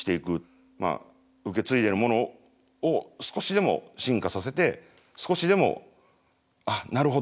受け継いでるものを少しでも進化させて少しでも「ああなるほど。